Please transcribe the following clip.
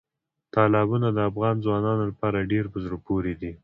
تالابونه د افغان ځوانانو لپاره ډېره په زړه پورې دي.